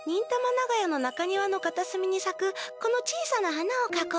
長屋の中庭のかたすみにさくこの小さな花をかこう。